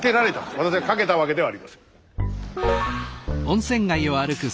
私がかけたわけではありません。